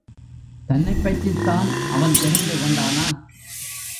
தன்னைப் பற்றித் தான் அவன் தெரிந்துகொண்டானா?